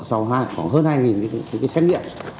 sau khoảng hơn hai cái xét nghiệm